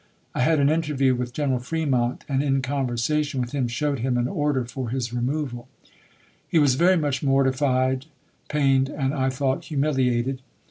I had an interview with General Fremont, and in conversation with him showed him an order for his removal. He was very much mortified, pained, and, I thought, humiliated.